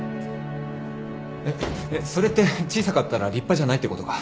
えっえっそれって小さかったら立派じゃないってことか？